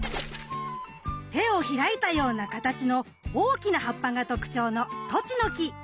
手を開いたような形の大きな葉っぱが特徴のトチノキ。